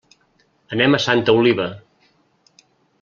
Anem a Santa Oliva.